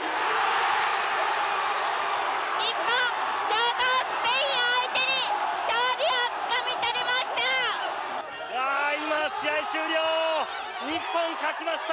日本、強豪スペイン相手に勝利をつかみ取りました。